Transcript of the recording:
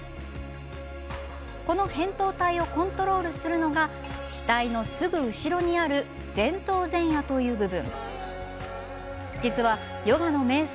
この、へんとう体をコントロールするのが額のすぐ後ろにある前頭前野という部分。